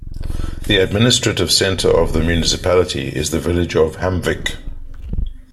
The administrative centre of the municipality is the village of Hamnvik.